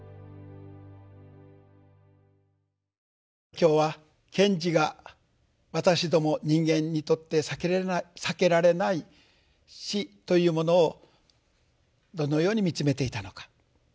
今日は賢治が私ども人間にとって避けられない死というものをどのように見つめていたのか。